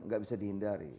enggak bisa dihindari